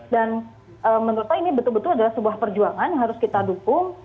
dan menurut saya ini betul betul adalah sebuah perjuangan yang harus kita dukung